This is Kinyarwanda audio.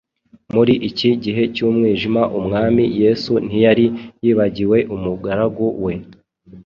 Muri iki gihe cy’umwijima, Umwami Yesu ntiyari yibagiwe umugaragu we